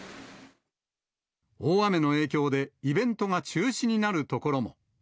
大雨の影響で、イベントが中止になる所も。